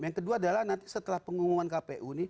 yang kedua adalah nanti setelah pengumuman kpu ini